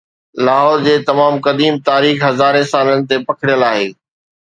لاهور جي تمام قديم تاريخ هزارين سالن تي پکڙيل آهي